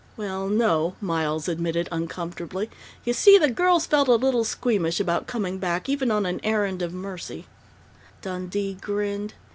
"Well, no," Miles admitted uncomfortably. "You see, the girls felt a little squeamish about coming back, even on an errand of mercy " Dundee grinned.